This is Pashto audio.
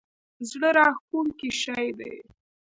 زړه راښکونکی شی دی.